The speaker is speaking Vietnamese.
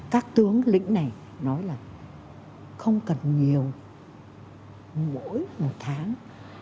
các tướng lĩnh này nói là không cần nhiều mỗi một tháng